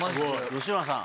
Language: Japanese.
吉村さん